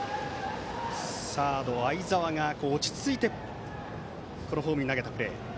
サード、相澤が落ち着いてホームに投げたプレー。